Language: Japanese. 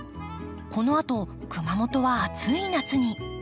このあと熊本は暑い夏に。